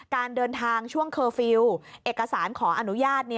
การเดินทางช่วงเคอร์ฟิลล์เอกสารขออนุญาต